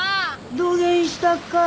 どげんしたっか？